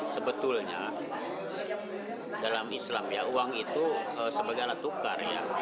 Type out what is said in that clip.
sebetulnya dalam islam ya uang itu sebagai alat tukar